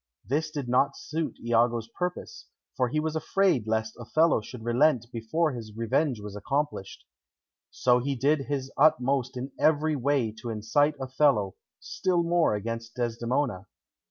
This did not suit Iago's purpose, for he was afraid lest Othello should relent before his revenge was accomplished. So he did his utmost in every way to incite Othello still more against Desdemona.